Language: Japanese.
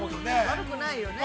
◆悪くないよね。